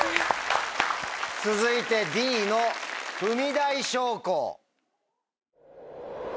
続いてＤの踏み台昇降。